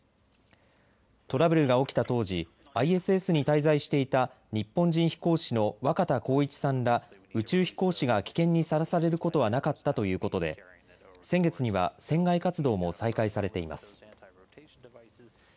トラブルが起きた当時、ＩＳＳに滞在していた日本人飛行士の若田光一さんら宇宙飛行士が危険にさらされることはなかったということで先月には船外活動も再開されています。